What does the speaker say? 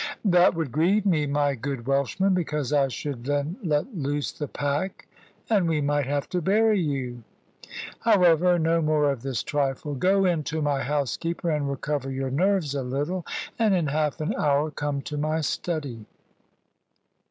"That would grieve me, my good Welshman, because I should then let loose the pack, and we might have to bury you. However, no more of this trifle. Go in to my housekeeper, and recover your nerves a little, and in half an hour come to my study."